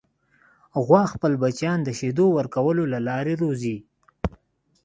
غوا خپل بچیان د شیدو ورکولو له لارې روزي.